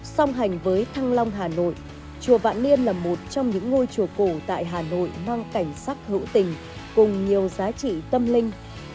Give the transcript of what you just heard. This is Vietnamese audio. song hành với thăng long hà nội chùa vạn niên là một trong những ngôi chùa cổ tại hà nội mang cảnh sắc hữu tình cùng nhiều giá trị tâm linh